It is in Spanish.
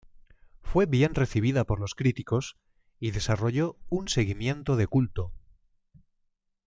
Fue bien recibida por los críticos y desarrolló un seguimiento de culto.